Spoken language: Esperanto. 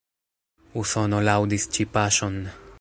Usono laŭdis ĉi paŝon.